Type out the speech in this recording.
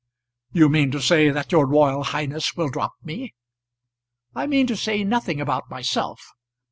"You mean to say that your royal highness will drop me." "I mean to say nothing about myself.